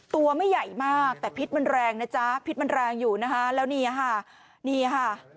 ตัวไม่ใหญ่มากแต่พิษมันแรงนะจ๊ะพิษมันแรงอยู่นะคะแล้วนี่ค่ะนี่ค่ะ